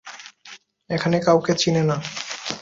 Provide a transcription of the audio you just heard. এখানে কাউকে চিনে না।